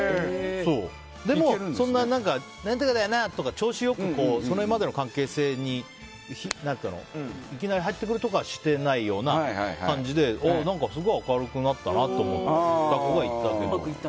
でも、そんな、何とかだよなとか調子良く、それまでの関係性にいきなり入ってくるとかはしてないような感じですごい明るくなったなと思った子はいたけど。